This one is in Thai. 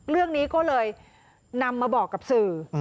เรื่องนี้ก็เลยนำมาบอกกับสื่อ